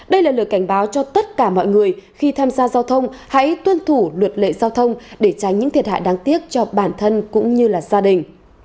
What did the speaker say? đây là lời cảnh báo cho tất cả mọi người khi tham gia giao thông hãy tuân thủ luật lệ giao thông để tránh những thiệt hại đáng tiếc cho bản thân cũng như gia đình